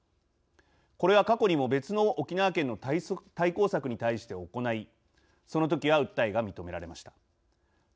これは過去にも別の沖縄県の対抗策に対して行いそのときは訴えが認められました。